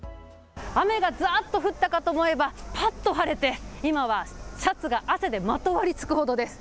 雨がざっと降ったかと思えば、パッと晴れて今は汗がシャツがまとわりつくほどです。